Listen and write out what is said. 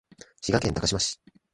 滋賀県高島市